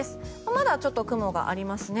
まだちょっと雲がありますね。